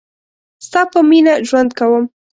ستا په میینه ژوند کوم